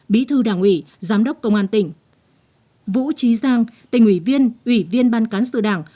bí thư đảng ủy giám đốc công an tỉnh vũ trí giang tỉnh ủy viên ủy viên ban cán sự đảng